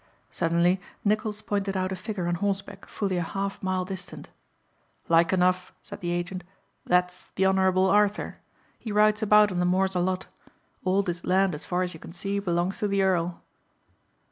Suddenly Nicholls pointed out a figure on horseback fully a half mile distant. "Like enough," said the agent, "that's the Honourable Arthur. He rides about on the moors a lot. All this land as far as you can see belongs to the Earl."